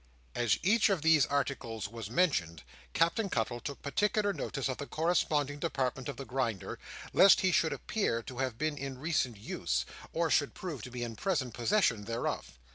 As each of these articles was mentioned, Captain Cuttle took particular notice of the corresponding department of the Grinder, lest he should appear to have been in recent use, or should prove to be in present possession thereof.